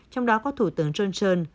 trong đó có thủ tướng johnson